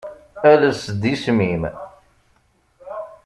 Ales-d isem-im.